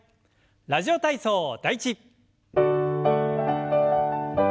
「ラジオ体操第１」。